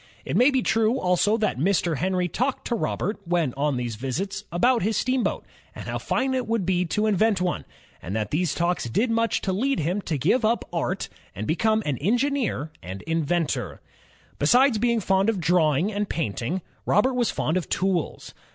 It may be true, also, that Mr. Henry talked to Robert, when on these visits, about his steamboat, and how fine it would be to invent one, ^_^^_^_^_^_ and that these talks | ^L.J~ ' did much to lead ""' him to give up art and become an engineer and in ventor. Besides being fond of drawing and painting, Robert was fond of tools.